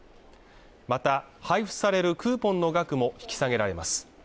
また配布されるクーポンの額も引き下げられます